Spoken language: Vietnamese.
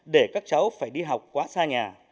để các cháu phải đi học quá xa nhà